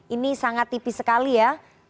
ini sangat tipis sekali ya